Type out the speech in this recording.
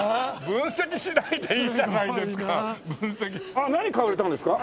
あっ何買われたんですか？